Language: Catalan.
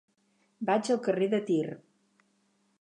Vaig al carrer de Tir.